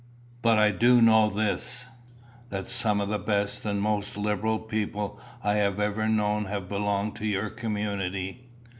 But I do know this, that some of the best and most liberal people I have ever known have belonged to your community."